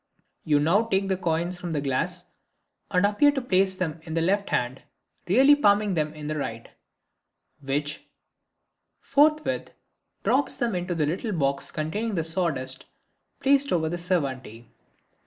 You now take the coins from the glass and appear to place them in the left hand, really palming them in the right, which forthwith drops them into a little box containing sawdust placed on the servante.